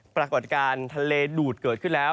ปรากฏการณ์ทะเลดูดเกิดขึ้นแล้ว